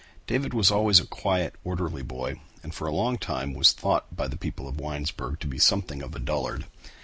David was always a quiet, orderly boy and for a long time was thought by the people of Winesburg to be something of a dullard.